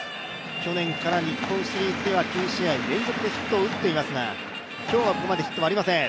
去年から日本シリーズでは９試合連続でヒットを打っていますが今日はここまでヒットはありません。